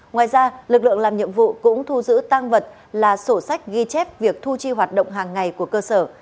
ngoài ra lực lượng làm nhiệm vụ cũng thu giữ tang vật là sổ sách ghi chép việc thu chi hoạt động hàng ngày của cơ sở